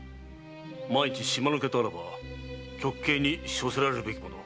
万一島抜けとあらば極刑に処せられるべきもの。